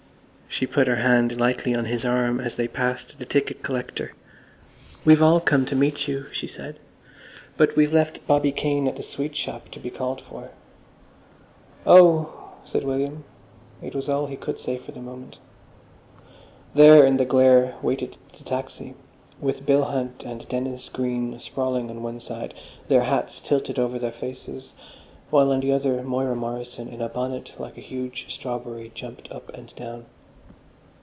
She put her hand lightly on his arm as they passed the ticket collector. "We've all come to meet you," she said. "But we've left Bobby Kane at the sweet shop, to be called for." "Oh!" said William. It was all he could say for the moment. There in the glare waited the taxi, with Bill Hunt and Dennis Green sprawling on one side, their hats tilted over their faces, while on the other, Moira Morrison, in a bonnet like a huge strawberry, jumped up and down.